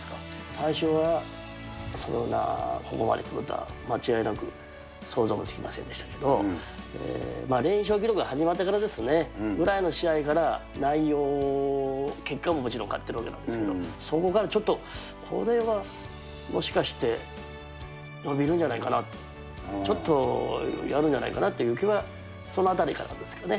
最初は、ここまでくるとは間違いなく想像もつきませんでしたけど、連勝記録が始まってからですかね、ぐらいの試合から、内容、結果ももちろん勝ってるわけなんですけど、そこからちょっと、これはもしかして伸びるんじゃないかな、ちょっとやるんじゃないかなという気は、そのあたりからですかね。